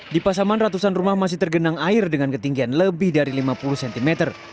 di pasaman ratusan rumah masih tergenang air dengan ketinggian lebih dari lima puluh cm